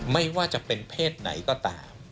ไม่ว่าจะเป็นเพศไหนก็ตาม